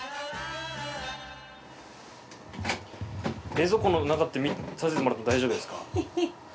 冷蔵庫の中って見させてもらって大丈夫ですか？